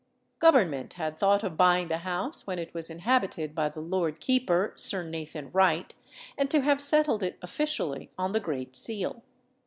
Government had thought of buying the house when it was inhabited by the Lord Keeper, Sir Nathan Wright, and to have settled it officially on the Great Seal.